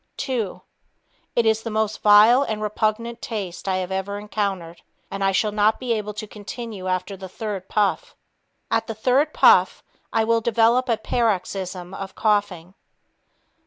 Two ... It is the most vile and repugnant taste I have ever encountered, and I shall not be able to continue after the third puff. At the third puff, I will develop a paroxysm of coughing.